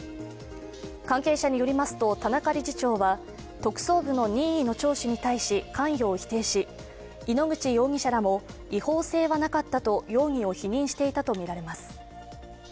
関係者によりますと、田中理事長は特捜部の任意の聴取に対し、関与を否定し、井ノ口容疑者らも違法性はなかったと容疑を否認していたとみられます。